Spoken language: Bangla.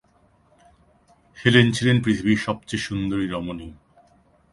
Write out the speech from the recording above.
হেলেন ছিলেন পৃথিবীর সবচেয়ে সুন্দরী রমণী।